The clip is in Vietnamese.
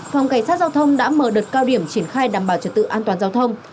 phòng cảnh sát giao thông đã mở đợt cao điểm triển khai đảm bảo trật tự an toàn giao thông